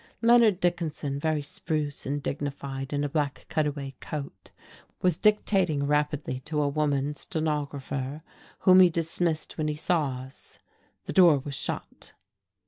Leonard Dickinson, very spruce and dignified in a black cutaway coat, was dictating rapidly to a woman, stenographer, whom he dismissed when he saw us. The door was shut.